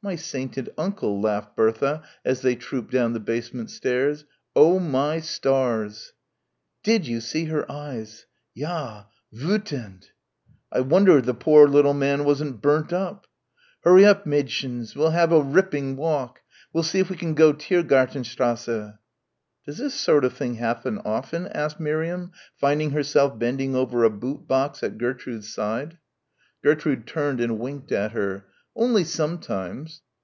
"My sainted uncle," laughed Bertha as they trooped down the basement stairs. "Oh my stars!" "Did you see her eyes?" "Ja! Wüthend!" "I wonder the poor little man wasn't burnt up." "Hurry up, mädshuns, we'll have a ripping walk. We'll see if we can go Tiergartenstrasse." "Does this sort of thing often happen?" asked Miriam, finding herself bending over a boot box at Gertrude's side. Gertrude turned and winked at her. "Only sometimes."